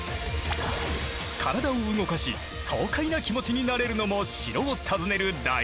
体を動かし爽快な気持ちになれるのも城を訪ねる醍醐味！